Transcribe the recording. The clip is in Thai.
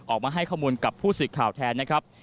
ออกมาให้ข้อมูลกับผู้สื่อข่าวแทนนะครับ